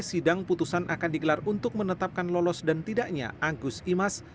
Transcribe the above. sidang putusan akan digelar untuk menetapkan lolos dan tidaknya agus imas